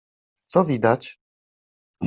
Co widać?